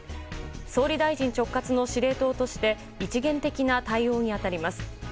総理大臣直轄の司令塔として一元的な対応に当たります。